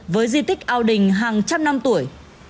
với di tích ao đình hàng trăm năm tuổi